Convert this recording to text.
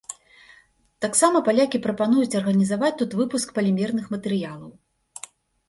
Таксама палякі прапануюць арганізаваць тут выпуск палімерных матэрыялаў.